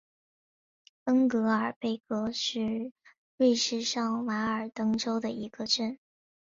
恩格尔贝格是瑞士上瓦尔登州的一个镇。